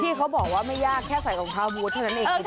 เขาบอกว่าไม่ยากแค่ใส่รองเท้าบูธเท่านั้นเอง